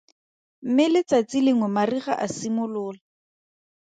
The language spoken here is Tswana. Mme letsatsi lengwe mariga a simolola.